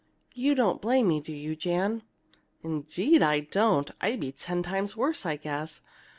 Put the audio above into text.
You don't blame me, do you, Jan?" "Indeed I don't! I'd be ten times worse, I guess.